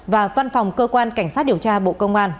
và văn phòng cơ quan cảnh sát điều tra bộ công an